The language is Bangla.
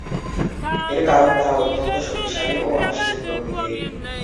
এর কারণ তারা অত্যন্ত শক্তিশালী ও অনিশ্চিত প্রকৃতির।